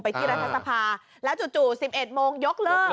ไปที่รัฐนักทรรภาแล้วจุด่ว๑๑โมงยกเลิก